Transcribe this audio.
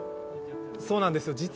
そうなんですよ。